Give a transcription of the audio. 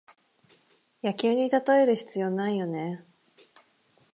野球にたとえる必要ないよね